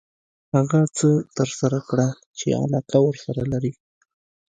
هغه څه ترسره کړه چې علاقه ورسره لري .